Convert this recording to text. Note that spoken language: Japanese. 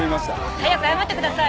早く謝ってください。